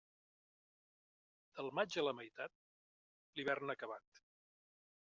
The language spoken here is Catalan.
Del maig a la meitat, l'hivern acabat.